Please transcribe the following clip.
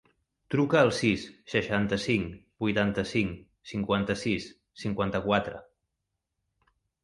Truca al sis, seixanta-cinc, vuitanta-cinc, cinquanta-sis, cinquanta-quatre.